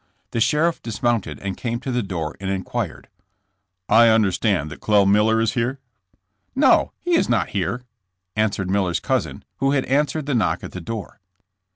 The sheriff dis mounted and came to the door and inquired: "I understand that Clel. Miller is here?" *'No, he is not here;" answered Miller's cousin, who had answered the knock at the door.